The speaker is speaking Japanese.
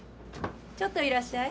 ちょっといらっしゃい。